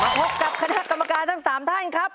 พบกับคณะกรรมการทั้ง๓ท่านครับ